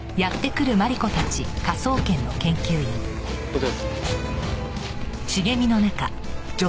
こちらです。